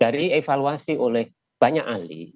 dari evaluasi oleh banyak ahli